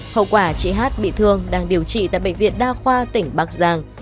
hậu quả chị hát bị thương đang điều trị tại bệnh viện đa khoa tỉnh bắc giang